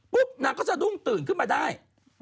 นางก็สะดุ้งตื่นขึ้นมาได้